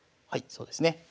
はいそうですね。